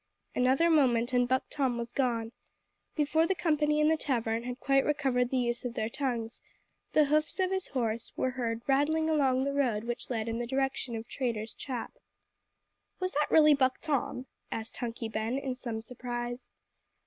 Another moment and Buck Tom was gone. Before the company in the tavern had quite recovered the use of their tongues, the hoofs of his horse were heard rattling along the road which led in the direction of Traitor's Trap. "Was that really Buck Tom?" asked Hunky Ben, in some surprise.